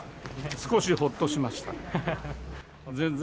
少しほっとしました。